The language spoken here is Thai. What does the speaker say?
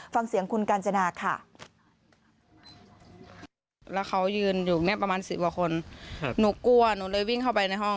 ฟังเสียงคุณกาญจนาค่ะ